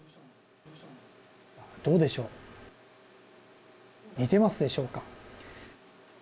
どうでしょう似てますでしょうか。